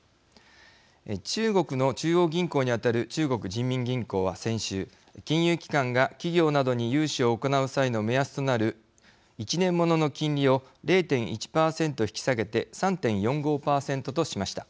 中国の中央銀行にあたる中国人民銀行は先週金融機関が企業などに融資を行う際の目安となる１年ものの金利を０．１％引き下げて３．４５％としました。